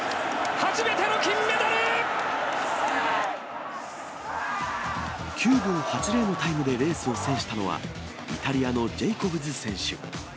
初めての金メ９秒８０のタイムでレースを制したのは、イタリアのジェイコブズ選手。